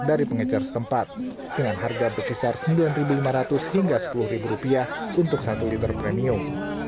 dari pengecar setempat dengan harga berkisar rp sembilan lima ratus hingga rp sepuluh untuk satu liter premium